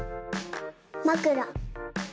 まくら。